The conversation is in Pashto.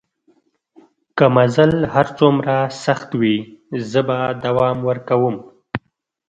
که مزل هر څومره سخت وي زه به دوام ورکوم.